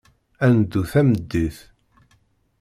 Ad neddu tameddit.